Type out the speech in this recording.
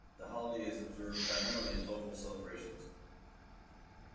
The holiday is observed primarily in local celebrations.